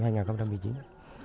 hồ thủy điện sông tranh hai